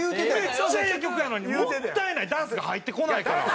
めっちゃええ曲やのにもったいないダンスが入ってこないから。